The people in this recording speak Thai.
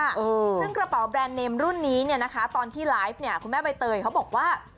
ซึ่งกระเป๋าแบรนด์เนมรุ่นนี้เนี่ยนะคะตอนที่ไลฟ์เนี่ยคุณแม่ใบเตยเขาบอกว่า